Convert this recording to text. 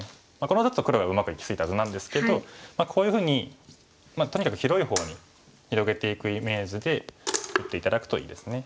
これはちょっと黒がうまくいき過ぎた図なんですけどこういうふうにとにかく広い方に広げていくイメージで打って頂くといいですね。